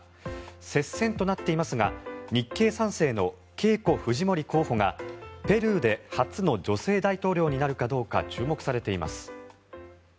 接戦となっていますが日系３世のケイコ・フジモリ候補がペルーで初の女性大統領になるかどうか注目されています。